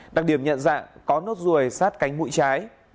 đặc điểm nhận dạng có nốt ruồi sát cánh mũi trái